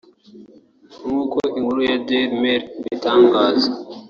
nk’uko inkuru ya Dailymail ibitangaza